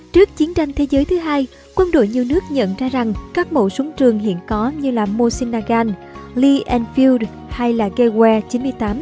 trước chiến tranh thế giới thứ hai quân đội nhiều nước nhận ra rằng các mẫu súng trường hiện có như mosin nagant lee enfield hay gewehr chín mươi tám